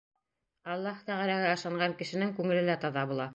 Аллаһ Тәғәләгә ышанған кешенең күңеле лә таҙа була.